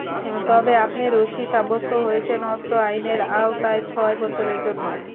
তবে, আপনি দোষী সাব্যস্ত হয়েছেন, অস্ত্র আইনের আওতায় ছয় বছরের জন্য।